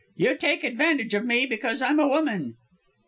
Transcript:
"You take advantage of me because I'm a woman."